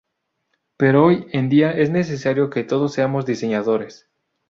Pero hoy en día es necesario que todos seamos diseñadores".